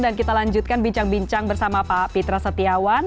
dan kita lanjutkan bincang bincang bersama pak pitra setiawan